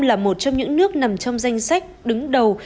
là một trong những nước nằm trong danh sách đứng đầu